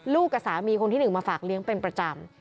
กับสามีคนที่หนึ่งมาฝากเลี้ยงเป็นประจำ